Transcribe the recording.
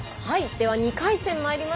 では２回戦まいりましょう。